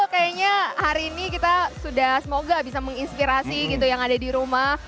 kayaknya hari ini kita sudah semoga bisa menginspirasi gitu yang ada di rumah